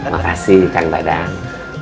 makasih kang dadang